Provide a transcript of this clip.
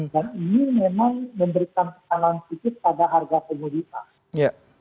dan ini memang memberikan kesalahan sedikit pada harga pemudika